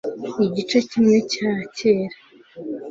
igice kimwe cyera